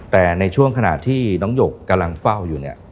แต่ในช่วงขณะที่น้องหยกกำลังเฝ้าอยู่เนี่ย